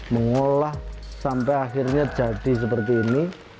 mengolah sampai akhirnya jadi seperti ini